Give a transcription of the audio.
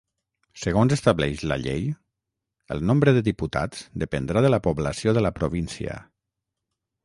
Segons estableix la llei, el nombre de Diputats dependrà de la població de la província.